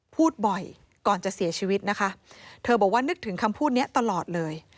พูดบ่อยก่อนจะเสียชีวิตนะคะเธอบอกว่านึกถึงคำพูดนี้ตลอดเลย